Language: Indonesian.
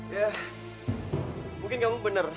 ya mungkin kamu bener